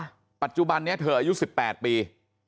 ปัจจุบันนี้เธออายุ๑๘ปี